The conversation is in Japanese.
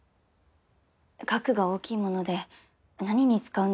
額が大きいもので何に使うのか。